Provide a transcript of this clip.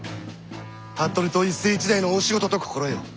服部党一世一代の大仕事と心得よ。